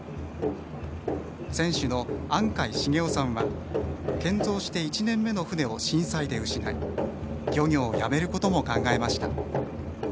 船主の安海繁男さんは建造して１年目の船を震災で失い漁業をやめることも考えました。